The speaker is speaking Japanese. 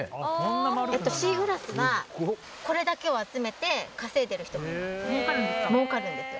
シーグラスは、これだけを集めて稼いでいる人もいます。